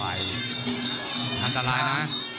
อันตรายนะ